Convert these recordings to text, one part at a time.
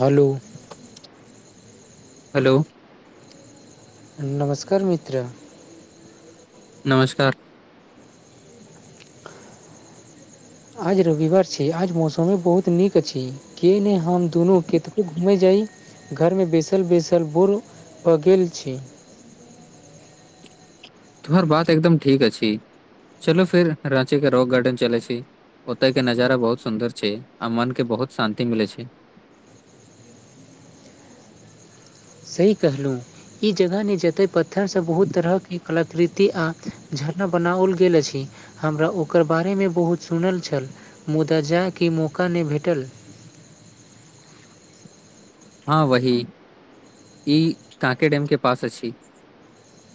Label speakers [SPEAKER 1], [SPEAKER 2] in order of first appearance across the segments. [SPEAKER 1] Hello
[SPEAKER 2] hello
[SPEAKER 1] नमस्कार मित्र
[SPEAKER 2] नमस्कार
[SPEAKER 1] आज रविवार छै, आज मौसम बहुत नीक छै। के नहि, हम दुनू कतऽ घूमे जाइ? घरमे बैसल बैसल बोड़ पऽ गेल छी
[SPEAKER 2] तोहर बात एकदम ठीक अछि चलो फिर रांची के रॉव गार्डन चलै छी ओते के नजारा बहुत सुन्दर छै आ मन के बहुत शांति मिले छै
[SPEAKER 1] सही कहलहुँ ई जगह नहि जतय पत्थरसँ बहुत तरहके कलाकृति आ झरना बनाओल गेल अछि हमरा ओकर बारेमे बहुत सुनल छल मुदा जा के मौका नै भेटल
[SPEAKER 2] हँ वही ई कांके डेम के पास अछि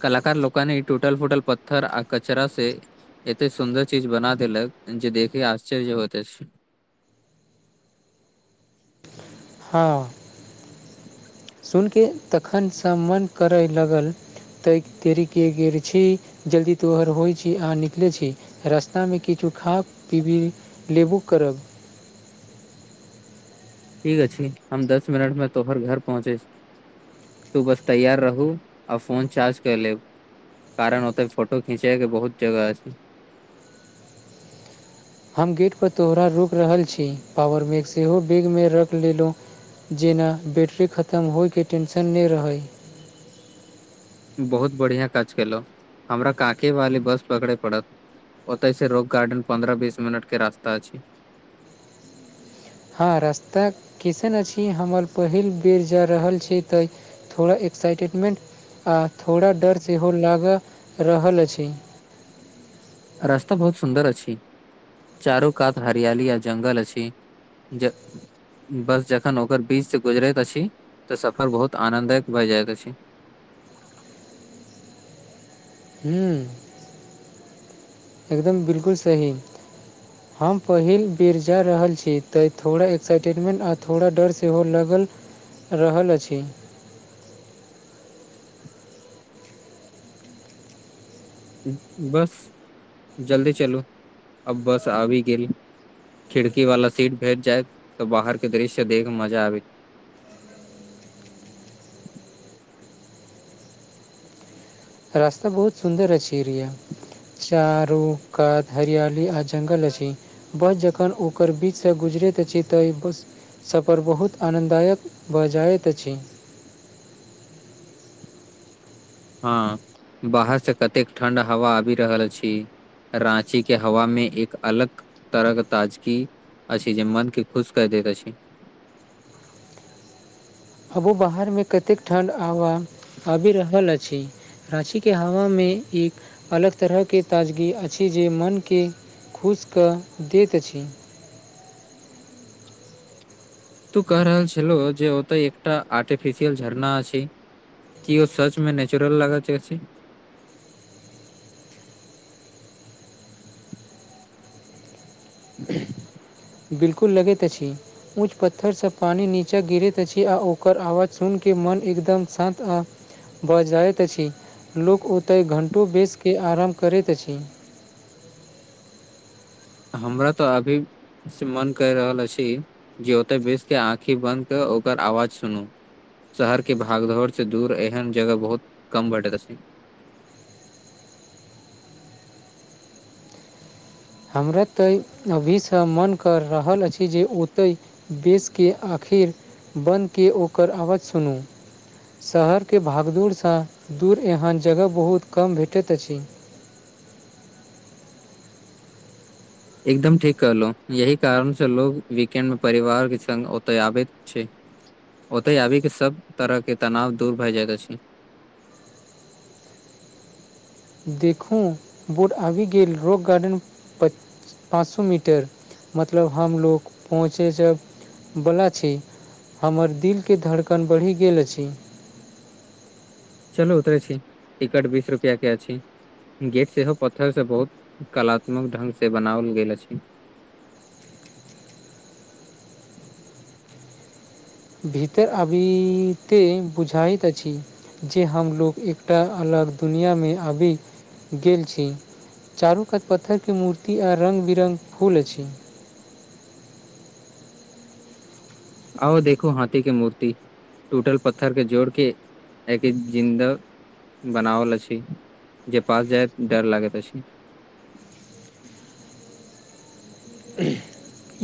[SPEAKER 2] कलाकार लोक इ टूटल फुटल पत्थर आ कचरा से एते सुन्दर चीज बना देलक जे देखे आश्चर्य होइत अछ
[SPEAKER 1] हँ सुन के तखनसँ मन करैय लगल तऽ देरी क गेल छी जल्दी तोहर होइ छी अहाँ निकलै छी रास्तामे किछु खा पीबी लेबु करब
[SPEAKER 2] ठीक अछी हम दस मिनट मे तोहर घर पहुँचे तू बस तैयार रहू आ फोन चार्ज कै लेब कारण ओतैय फोटो खींचैके बहुत जगह अछि
[SPEAKER 1] हम गेट पर तोहरा रुकि रहल छी पॉावर बैक सेहो बेग मे रख लेलु जेना बैटरी खतम होइके टेंशन नैय रहै
[SPEAKER 2] बहुत बढ़िया काज केलऽ हमरा काके वाले बस पकड़य पड़त ओतय से रोक गार्डन पन्द्रह बीस मिनट के रास्ता अछि
[SPEAKER 1] हँ रास्ता कैसन अछि हमर पहिल बेर जा रहल छी तऽ थोड़ा एक्साइटमेंट आ थोड़ा डर सेहो लग रहल अछि
[SPEAKER 2] रास्ता बहुत सुन्दर अछि चारू कात हरियाली आ जंगल अछि बस जखन ओकर बीच से गुजरैत अछि तऽ सफर बहुत आनन्दक भए जाइत अछि
[SPEAKER 1] हुं एकदम बिल्कुल सही हम पहिल बेर जा रहल छी तऽ थोड़ा एक्साइटेड मेंट आ थोड़ा डर सेहो लागल रहल अछि
[SPEAKER 2] बस जल्दी चलू अब बस आबि गेल खिड़की वाला सीट भेट जायत तऽ बाहर के दृश्य देख मजा आबि
[SPEAKER 1] रास्ता बहुत सुन्दर अछि एरिया चारू कात हरियाली आ जंगल अछि बस जखन ओकर बीचसँ गुजरैत अछि तऽ बस सफर बहुत आनन्ददायक भऽ जाइत अछि
[SPEAKER 2] हँ बाहर से कतेक ठंड हवा आबि रहल छी राँची के हवा में एक अलग तरहके ताजगी अछि जे मन के खुश क दैत अछि
[SPEAKER 1] अबो बाहरमे कतेक ठण्ड आव आबि रहल अछि रांची के हवा मे एक अलग तरहके ताजगी अछि जे मनके खुश कऽ दैत अछि
[SPEAKER 2] तू कह रहल छलो जे ओतय एकटा आर्टिफिशियल झरना अछि की ओ सच में नेचुरल लगा छै अछि
[SPEAKER 1] बिलकुल लगैत अछि ऊँच पत्थरसँ पानि नीचाँ गिरैत अछि आ ओकर आवाज सुनिके मोन एकदम शान्त आ भऽ जाइत अछि लोक ओतय घंटो बेसके आराम करैत अछि
[SPEAKER 2] हमरा तऽ अभी से मन क रहल अछि जे ओते बेस के आँखि बंद के ओकर आवाज सुनू शहर के भागदौड़ से दूर एहन जगह बहुत कम बटे तऽ अछि
[SPEAKER 1] हमरा तऽ अभीसँ मन करऽ रहल अछि जे ओतय बेसके आखिर बन्दके ओकर आवाज सुनू शहरके भागदूड़सँ दूर एहन जगह बहुत कम भेटैत अछि
[SPEAKER 2] एकदम ठीक कहलो यह कारण से लोग वीकेंड मे परिवार के संग ओतय आबित छै ओतय आबी के सब तरह के तनाव दूर भए जाइत अछि
[SPEAKER 1] देखू बोड आबि गेल रॉक गार्डन पर पाँच सए मीटर मतलब हमलोग पहुँचै जबला छै हमर दिलके धड़कन बढ़ि गेल अछि
[SPEAKER 2] चलू उतरे छी टिकट बीस रुपआ के अछी गेट सेहो पत्थर से बहुत कलात्मक ढंग से बनाओल गेल अछि
[SPEAKER 1] भीतर अभी ते बुझाइत अछि जे हमलोग एकटा अलग दुनिआँमे आबि गेल छी चारूकात पत्थर के मूर्ति आ रंग बिरङ्ग फूल अछि
[SPEAKER 2] आओ देखु हाथी के मूर्ति टूटल पत्थर के जोड़ के एक एक जिन्दा बनावल अछि जे पास जाय डर लागैत अछि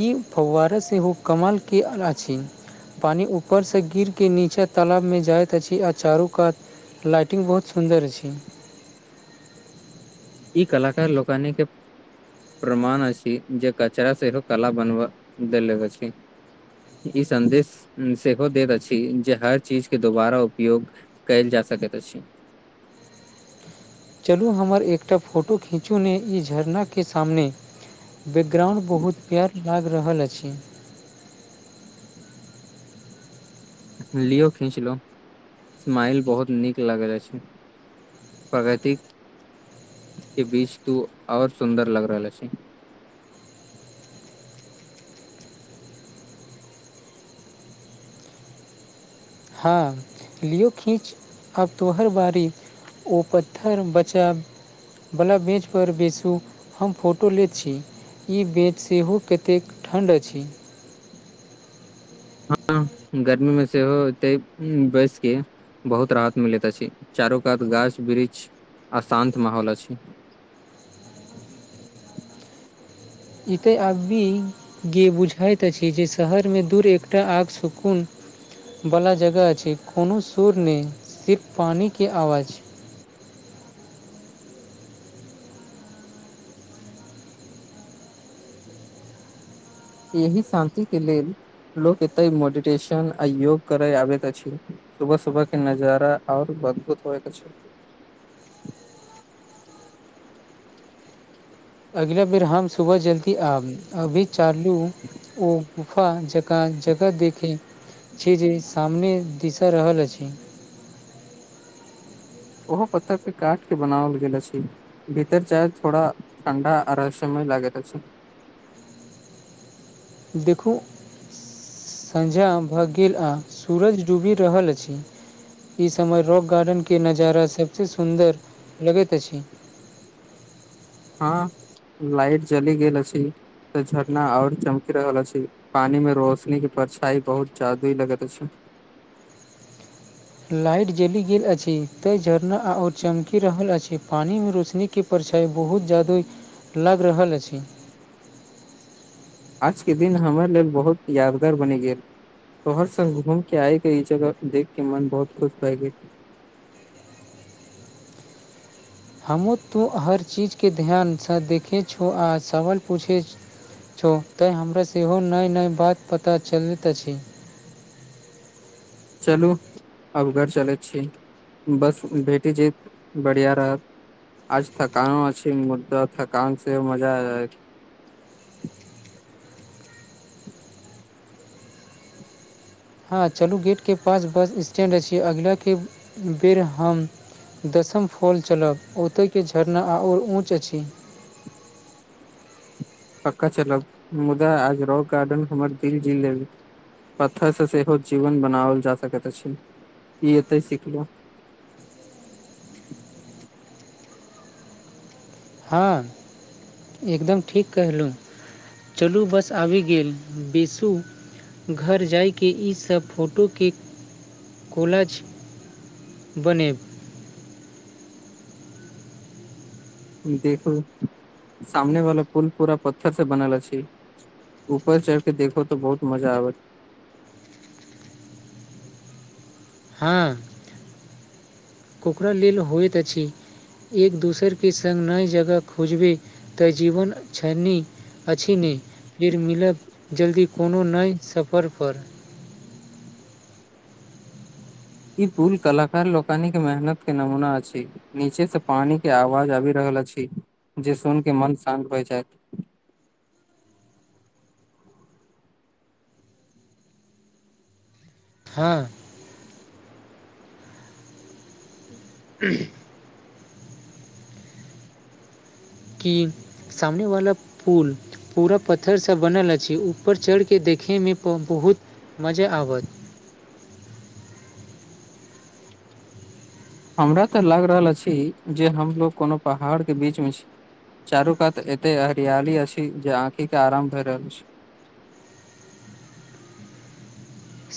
[SPEAKER 1] ई फवारा सेहो कमालके अछि पानि ऊपर से गिर के नीचे तालब मे जायत तछी आ चारू कात लाइटिंग बहुत सुन्दर छी
[SPEAKER 2] ई कलाकार लोकानि के प्रमाण अछि जे कचरा सेहो कला बनबा देले अछि ई सन्देश सेहो दैत अछि जे हर चीज के दुबारा उपयोग कयल जा सकैत अछि
[SPEAKER 1] चलू हमर एकटा फोटो खीँचू ने ई झरनाके सामने बैकग्राउण्ड बहुत प्यार लागि रहल अछि
[SPEAKER 2] लियो खीचलो स्माइल बहुत नीक लागल अछि प्रगतिक के बीच तू आऔर सुन्दर लग रहल छी
[SPEAKER 1] हँ लियौ खीच अब तोहर बारी ओ पत्थर बचाब वला बेंच पर बेैसू हम फोटो लेैत छी ई बेच सेहो कतेक ठण्ड अछि
[SPEAKER 2] हँ गर्मी मे सेहो एतै बैसके बहुत राहत मिलैत अछि चारू कात गाछ वृक्ष आ शान्त माहौल अछि
[SPEAKER 1] ई के अभी गे बुझाइत अछि जे शहरमे दूर एकटा आग सुकून वला जगह अछि कोनो सुर नहि सिर्फ पानिके आवाज
[SPEAKER 2] यही शान्ति के लेल लोग एते मैडिटेशन आ योग करय आबैत अछि सुबह सुबह के नजारा आर अदभूत होयत अछि
[SPEAKER 1] अगिला बेर हम सुबह जल्दी आब अभी चालू ओ गुफा जकाँ जगह देखी छी जी सामने दिशा रहल अछि
[SPEAKER 2] ओहो पत्थर पे काट के बनाओल गेल अछि भीतर जायब थोड़ा ठण्डा आ रहस्यमय लागेत अछि
[SPEAKER 1] देखू सँझा भऽ गेल आ सूरज डूबि रहल अछि ई समय रॉक गार्डन के नजारा सबसे सुंन्दर लगैत अछि
[SPEAKER 2] हँ लाइट जली गेल अछि तऽ झरना और चमकि रहल अछि पानि में रोशनी क परछाइ बहुत जादूई लगैत अछि
[SPEAKER 1] लाइट जलि गेल अछि ते झरना आओर चमकि रहल अछि पानि में रोशनी के परिछाइ बहुत जादुई लग रहल अछि
[SPEAKER 2] आजके दिन हमर लेल बहुत यादगार बनि गेल तोहर सङ् घूम के आए क ई जगह देख के मन बहुत खुश भए गेली
[SPEAKER 1] हमूँ तू हर चीजके ध्यानसँ देखैत छौ आ सवाल पूछै छौ तैँ हमरा सेहो नय नय बात पता चलैत अछि
[SPEAKER 2] चलू अब घर चलैत छी बस भेटी जेत बढ़िआँ रहत आज थकानो अछी मुद्दा थकान से मजा आ जाए
[SPEAKER 1] हँ चलू गेटके पास बस स्टैण्ड अछि अगिलाके बेर हम दसम फॉल चलब ओतयके झरना आ आओर ऊँच अछि
[SPEAKER 2] पक्का चलब मुदा आज रॉक गार्डन हमर दिल जी लेल पत्थर से सेहो जीवन बनाओल जा सकैत अछि ई एते सिखलो
[SPEAKER 1] हँ एकदम ठीक कहलहुँ चलू बस आबि गेल बीसू घर जायके ईसभ फोटोके कोलज बनेब
[SPEAKER 2] देखू सामने वाला पुल पूरा पत्थर से बनल अछि ऊपर चढ़ के देखो तो बहुत मजा आबत
[SPEAKER 1] हँ ओकरा लेल होइत अछि एक दोसर के सङ्ग नइ जगह खोजबै तऽ जीवन छनि अछि नी फेर मिलब जल्दी कोनो नय सफर पर
[SPEAKER 2] ई पुल कलाकार लोकानी के मेहनत के नमूना अछि नीचे से पानी के आवाज आबि रहल अछि जे सुन के मन शान्त होए जायत
[SPEAKER 1] हँ उम्ह की सामने वाला पुल पूरा पत्थरसँ बनल अछि ऊपर चढ़िकऽ देखयमें ब बहुत मजा आबत
[SPEAKER 2] हमरा तऽ लागि रहल अछि जे हमलोग कोनो पहाड़ के बीच में छी चारू कात एते हरियाली अछि जे आँखिक के आराम भए रहल अछि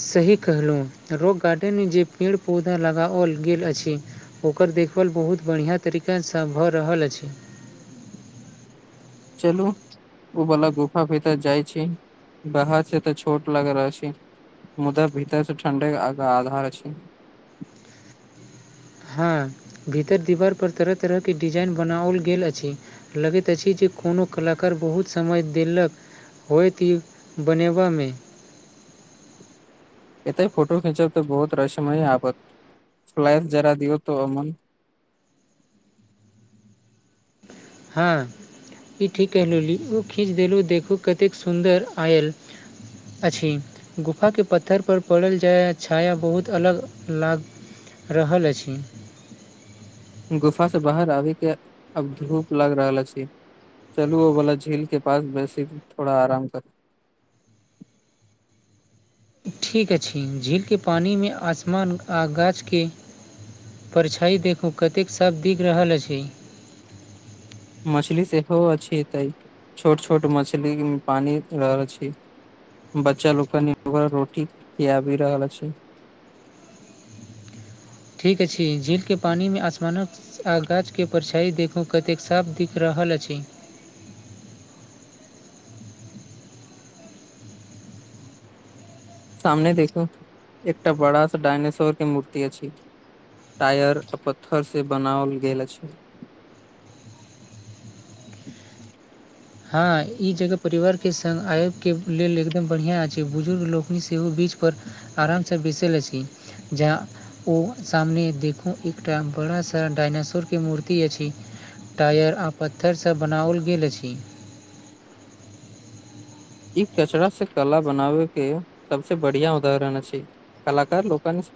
[SPEAKER 1] सही कहलहु रॉक गार्डेन मे जे पेड़ पौधा लगाओल गेल अछि ओकर देखभाल बहुत बढ़िआँ तरीकासँ भऽ रहल अछि
[SPEAKER 2] चलू ओ बला गुफा भितर जाइ छै बाहर से तऽ छोट लाग रहल छी मुदा भीतर से ठण्डे आधार छै
[SPEAKER 1] हँ भीतर दीवार पर तरह तरह के डिजाइन बनाओल गेल अछि लगैत अछि जे कोनो कलाकार बहुत समय देलक होत ई बनेबामे
[SPEAKER 2] एते फोटो खिंचब तऽ बहुत रसमय आबत फ्लैश जरा दियऔ तऽ ओन
[SPEAKER 1] हँ ई ठीक कहली ओ खीच देलहुँ देखू कतेक सुन्दर आयल अछि गुफाके पत्थरपर पड़ल जाय छाया बहुत अलग लाग रहल अछि
[SPEAKER 2] गुफा से बाहर आबे के अब धूप लग रहल अछी चलू ओ बला झील के पास वैसेथोड़ा आराम कर
[SPEAKER 1] ठीक अछि झीलके पानिमे आसमान आ गाछके परछाई देखू कतेक सभ दिग रहल अछि
[SPEAKER 2] मछली सेहो अछि एते छोट छोट मछली मे पानि रहल अछि बच्चा लोक कनि रोटी खियाबी रहल अछि
[SPEAKER 1] ठीक अछि झीलके पानिमे आसमानक आ गाछके परछाइ देखू कतेक साफ दिख रहल अछि
[SPEAKER 2] सामने देखू एकटा बड़ासा डायनासोर के मूर्ति अछि टायर पत्थर से बनाओल गेल अछि [unintelligible]
[SPEAKER 1] हँ ई जगह परिवारके सङ्ग आयके लेल एकदम बढ़िआँ अछि बुजुर्ग लोकनि सेहो बीजपर आरामसँ बैसल अछि जा ओ सामने देखू एकटा बड़ा सा डायनासोर के मूर्ति अछि टायर आ पत्थरसँ बनाओल गेल अछि
[SPEAKER 2] ई कचरा से कला बनावे के सबस बढ़िया उदाहरण अछि कलाकार लोकन